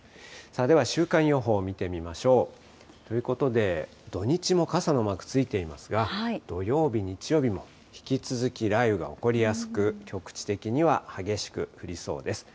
では、週間予報を見てみましょう。ということで、土日も傘のマークついていますが、土曜日、日曜日も引き続き雷雨が起こりやすく、局地的には激しく降りそうです。